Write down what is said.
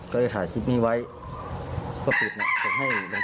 มันไม่ทรมานแล้ว